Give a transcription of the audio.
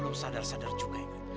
kamu belum sadar sadar juga ingrid